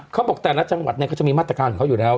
เค้าบอกแต่ละจังหวัดจะมีมาตรการเหมือนเขาอยู่แล้ว